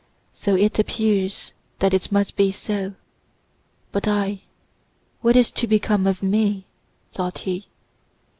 So it appears that it must be so! But I—what is to become of me?" thought he.